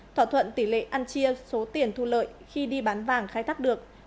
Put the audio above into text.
thỏa thuận tỷ lệ ăn chia số tiền thu lợi khi đi bán vàng khai thác được